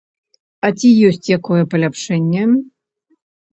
А ці ёсць якое паляпшэнне?